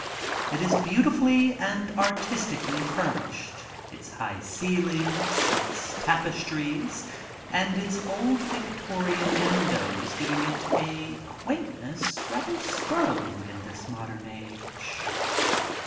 It is beautifully and artistically furnished, its high ceilings, its tapestries, and its old Victorian windows giving it a quaintness rather startling in this modern age.